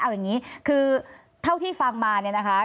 เอาอย่างนี้คือเท่าที่ฟังมาเนี่ยนะคะ